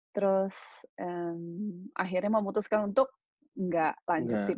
terus akhirnya memutuskan untuk nggak lanjutin